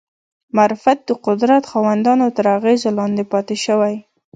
معرفت د قدرت خاوندانو تر اغېزې لاندې پاتې شوی